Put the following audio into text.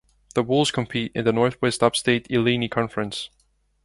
The Wolves compete in the Northwest Upstate Illini Conference.